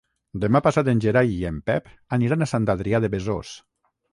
Demà passat en Gerai i en Pep aniran a Sant Adrià de Besòs.